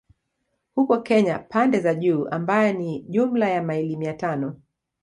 Huko Kenya pande za juu ambayo ni jumla ya maili mia tano